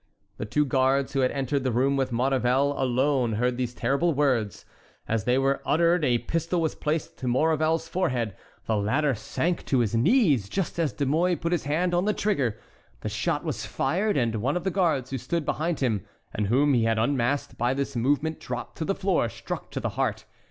The two guards who had entered the room with Maurevel alone heard these terrible words. As they were uttered a pistol was placed to Maurevel's forehead. The latter sank to his knees just as De Mouy put his hand on the trigger; the shot was fired and one of the guards who stood behind him and whom he had unmasked by this movement dropped to the floor, struck to the heart.